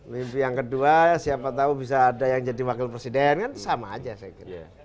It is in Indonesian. mimpi yang kedua siapa tahu bisa ada yang jadi wakil presiden kan sama aja saya kira